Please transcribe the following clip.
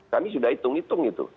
kami sudah hitung hitung itu